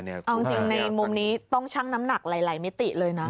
เอาจริงในมุมนี้ต้องชั่งน้ำหนักหลายมิติเลยนะ